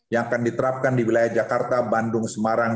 yang akan diterapkan di wilayah jakarta bandung semarang